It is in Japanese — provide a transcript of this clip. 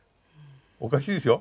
おかしいでしょ？